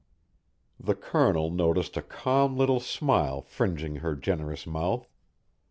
The Colonel noticed a calm little smile fringing her generous mouth.